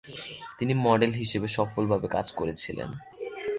তিনি মডেল হিসেবে সফলভাবে কাজ করেছিলেন।